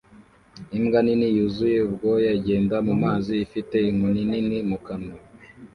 Imbwa nini yuzuye ubwoya igenda mu mazi ifite inkoni nini mu kanwa